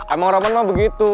emang roman mah begitu